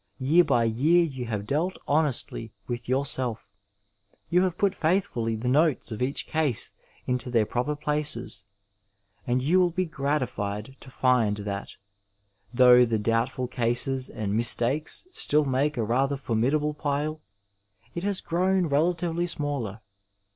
Year by year you have dealt honestly with yourself ; you have put faithfully the notes of each case into their proper places, and you will be gratified to find that, though the doubtful cases and mis takes still make a rather formidable pile, it has grown relatively smaller.